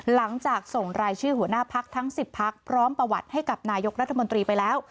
หลังจากส่งรายชื่อหัวหน้าพักทั้ง๑๐พักพร้อมประวัติให้กับนายกรัฐมนตรีไปแล้ว